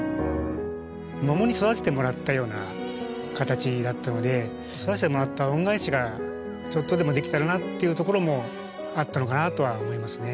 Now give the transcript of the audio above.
桃に育ててもらったような形だったので育ててもらった恩返しがちょっとでもできたらなっていうところもあったのかなとは思いますね。